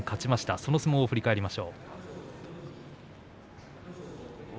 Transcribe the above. その相撲を振り返ります。